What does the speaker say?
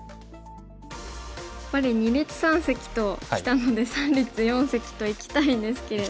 やっぱり二立三析ときたので三立四析といきたいんですけれども。